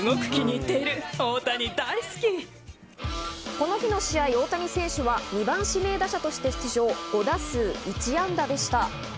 この日の試合、大谷選手は２番指名打者として出場、５打数１安打でした。